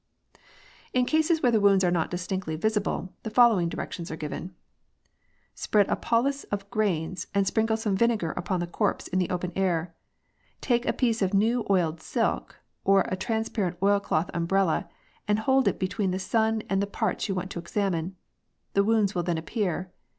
i8o INQUESTS. In cases where the wounds are not distinctly visible, the following directions are given :—*' Spread a poultice of grains, and sprinkle some vinegar upon the corpse in the open air. Take a piece of new oiled silk, or a transpa rent oil cloth umbrella, and hold it between the sun and the parts you want to examine. The wounds will then appear.